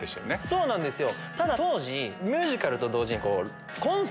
そうなんですよ。